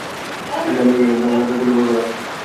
আহ, আমি মনে করি তোমাদের অন্তত পরিবার, ঘর আছে।